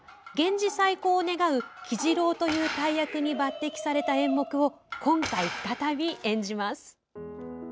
源氏再興を願う鬼次郎という大役に抜擢された演目を今回再び演じます。